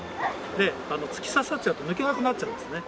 で突き刺さっちゃうと抜けなくなっちゃうんですね。